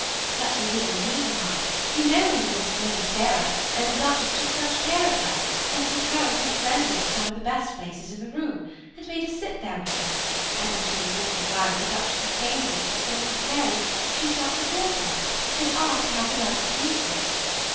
"But she did, indeed, mamma; you know we were with Lady Sarah, and the Duchess took such care of her, and took her and Miss Grenville to some of the best places in the room, and made us sit there with them, and when she was walking by with the Duchess of Cambridge and Princess Mary, she stopped to talk to us and asked how we liked the music."